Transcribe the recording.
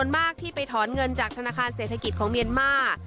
ในเศรษฐกิจของเมียนมาร์